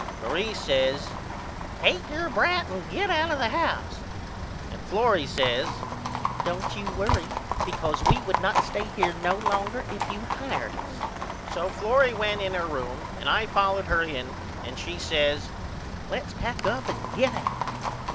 Marie says Take your brat and get out of the house. And Florrie says Don't you worry because we would not stay here no longer if you hired us. So Florrie went in her room and I followed her in and she says Let's pack up and get out.